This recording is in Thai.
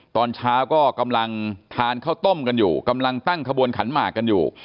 ตอนเช้าก็กำลังทานข้าวต้มกันอยู่กำลังตั้งขบวนขันหมากกันอยู่